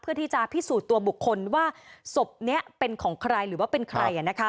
เพื่อที่จะพิสูจน์ตัวบุคคลว่าศพนี้เป็นของใครหรือว่าเป็นใคร